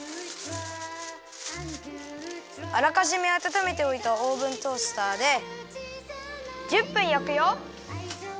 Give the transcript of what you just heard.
あらかじめあたためておいたオーブントースターで１０分焼くよ。